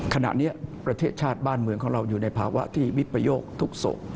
ขณะนี้ประเทศชาติบ้านเมืองของเราอยู่ในภาวะที่วิปโยคทุกศพ